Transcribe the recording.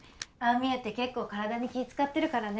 見えて結構体に気使ってるからね